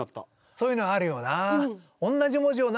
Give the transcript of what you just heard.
そういうのあるよな。